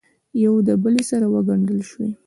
یو دبلې سره وګنډل شوې